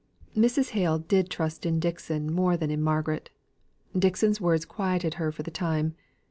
Mrs. Hale did trust in Dixon more than in Margaret. Dixon's words quieted her for the time.